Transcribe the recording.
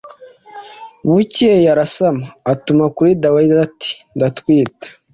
Bukeye arasama, atuma kuri Dawidi ati “Ndatwite.”